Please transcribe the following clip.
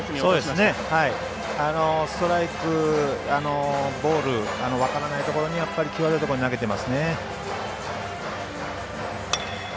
ストライク、ボール分からないところ際どいところに投げてますね。